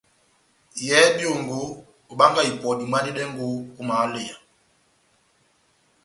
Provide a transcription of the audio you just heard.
Yɛhɛ byongo, obangahi ipɔ dimwanedɛngo ó mahaleya.